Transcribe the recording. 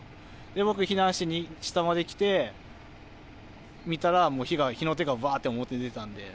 僕、避難して下まで来て、見たら、もう火が、火の手がばーって表に出てたんで。